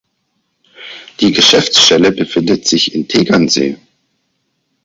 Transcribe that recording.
Die Geschäftsstelle befindet sich in Tegernsee.